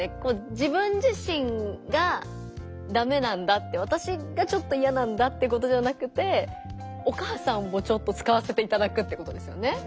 自分自身がダメなんだってわたしがちょっといやなんだってことじゃなくてお母さんもちょっと使わせていただくってことですよね。